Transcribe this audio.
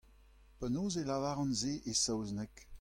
Penaos e lavaran se e saozneg ?